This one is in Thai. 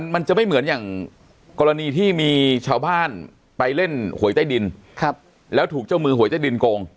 มันจะไม่เหมือนอย่างกรณีที่มีชาวบ้านไปเล่นหวยใต้ดินแล้วถูกเจ้ามือหวยใต้ดินโกง